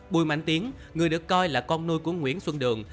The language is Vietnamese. bùi mạnh tiến người được coi là con nuôi của nguyễn xuân đường